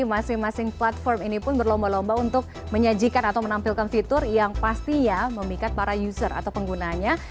masing masing platform ini pun berlomba lomba untuk menyajikan atau menampilkan fitur yang pastinya memikat para user atau penggunanya